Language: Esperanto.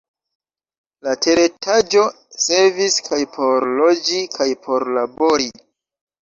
La teretaĝo servis kaj por loĝi kaj por labori.